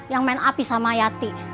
yang main api sama yati